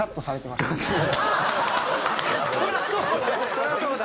そりゃそうだ。